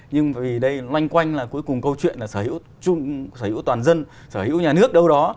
nhưng vì đây loanh quanh là cuối cùng câu chuyện là sở hữu sở hữu toàn dân sở hữu nhà nước đâu đó